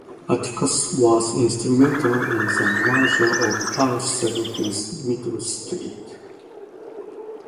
Atticus was instrumental in the merger of Arcelor with Mittal Steel.